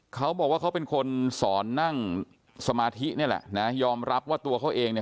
เขาบอกว่าเขาเป็นคนสอนนั่งสมาธินี่แหละนะยอมรับว่าตัวเขาเองเนี่ย